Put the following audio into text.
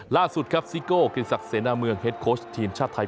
ล่าสุดครับซิโก้เกียรติศักดิเสนาเมืองเฮ็ดโค้ชทีมชาติไทย